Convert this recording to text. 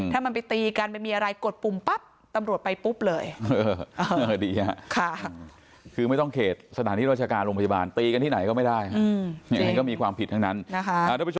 ถ้ามันไปตีกันไม่มีอะไรกดปุ่มปั๊บตำรวจไปปุ๊บเลยค่ะคือไม่ต้องเขตสถานที่ราชการโรงพยาบาลตีกันที่ไหนก็ไม่ได้อืมยังไงก็มีความผิดทั้งนั้นนะคะ